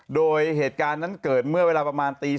โดยเหตุการณ์นั้นเกิดเมื่อเวลาประมาณตี๓